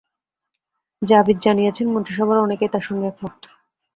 জাভিদ জানিয়েছেন, মন্ত্রিসভার অনেকেই তাঁর সঙ্গে একমত।